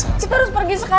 rik kita harus pergi sekarang